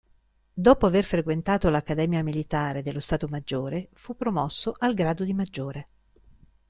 Dopo aver frequentato l'accademia militare dello Stato maggiore, fu promosso al grado di maggiore.